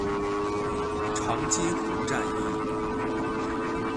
长津湖战役